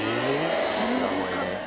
すごかった。